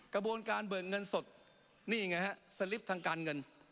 กระบวนการเบิกเงินสดนี่ไงฮะสลิปทางการเงิน